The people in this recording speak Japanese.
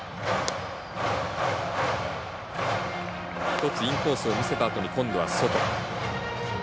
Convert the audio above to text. １つインコースを見せたあとに今度は外。